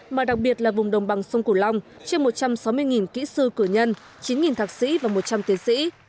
mà đặc biệt là vùng đồng bằng sông cửu long trên một trăm sáu mươi kỹ sư cử nhân chín thạc sĩ và một trăm linh tiến sĩ